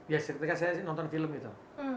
ya ketika saya nonton film itu